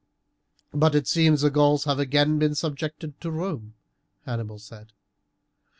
"But it seems that the Gauls have again been subjected to Rome," Hannibal said.